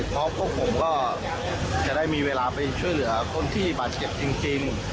เพราะพวกผมก็จะได้มีเวลาไปช่วยเหลือคนที่บาดเจ็บจริง